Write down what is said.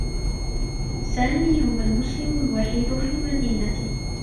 سامي هو المسلم الوحيد في المدينة.